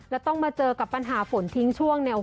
แล้วต้องมาเจอกับปัญหาฝนทิ้งช่วงเนี่ย